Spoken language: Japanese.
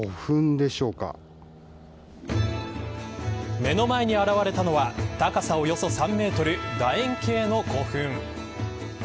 目の前に現れたのは高さおよそ３メートル楕円形の古墳。